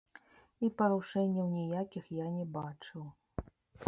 І парушэнняў ніякіх я не бачыў.